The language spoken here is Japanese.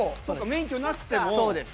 そうか免許なくても。